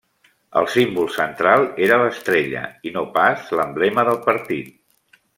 El símbol central era l'estrella i no pas l'emblema del partit.